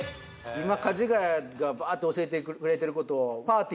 今かじがやがバーッと教えてくれてることをぱーてぃ